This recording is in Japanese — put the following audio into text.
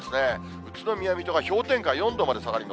宇都宮、水戸が氷点下４度まで下がります。